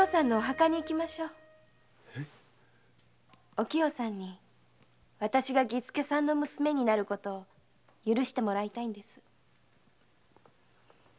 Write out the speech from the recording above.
おきよさんにわたしが儀助さんの娘になることを許してもらいたいんです。